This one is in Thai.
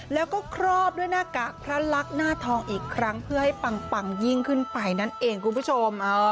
แล้วก็ครอบด้วยหน้ากากพระลักษณ์หน้าทองอีกครั้งเพื่อให้ปังยิ่งขึ้นไปนั่นเองคุณผู้ชม